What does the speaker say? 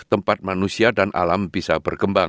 tempat manusia dan alam bisa berkembang